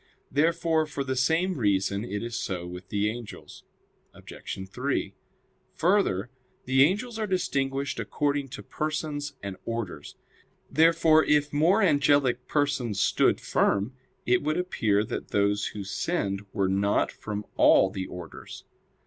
Therefore for the same reason it is so with the angels. Obj. 3: Further, the angels are distinguished according to persons and orders. Therefore if more angelic persons stood firm, it would appear that those who sinned were not from all the orders.